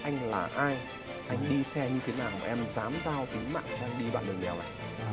anh là ai anh đi xe như thế nào em dám giao tính mạng cho anh đi bằng đường đèo ạ